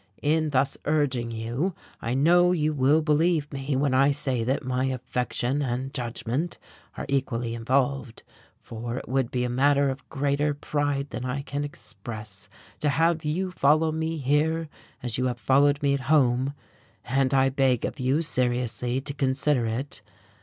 In thus urging you, I know you will believe me when I say that my affection and judgment are equally involved, for it would be a matter of greater pride than I can express to have you follow me here as you have followed me at home. And I beg of you seriously to consider it....